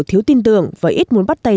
thiếu tin tưởng và ít muốn bắt tay